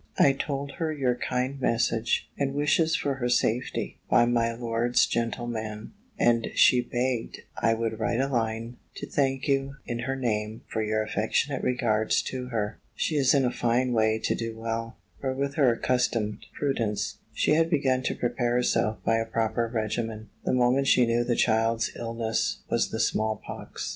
I told her your kind message, and wishes for her safety, by my lord's gentleman; and she begged I would write a line to thank you in her name for your affectionate regards to her. She is in a fine way to do well: for with her accustomed prudence, she had begun to prepare herself by a proper regimen, the moment she knew the child's illness was the small pox.